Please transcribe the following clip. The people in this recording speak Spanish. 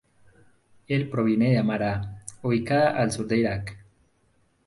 Él proviene de Amara, ubicada al sur de Irak.